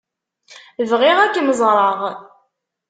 Bɣiɣ ad kem-ẓṛeɣ.